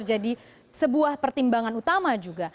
jadi sebuah pertimbangan utama juga